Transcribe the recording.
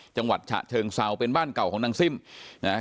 จังหวัดฉะเชิงเซาเป็นบ้านเก่าของนางซิ่มนะฮะ